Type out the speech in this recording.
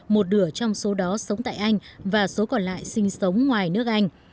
một nửa trong số đó sống tại anh và số còn lại sinh sống ngoài nước anh